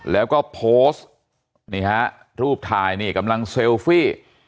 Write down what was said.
แล้วก็โพสต์นี่ฮะรูปถ่ายนี่กำลังเซลฟี่